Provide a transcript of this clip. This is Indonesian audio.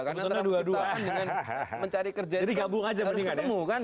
karena mencari kerja harus ketemu kan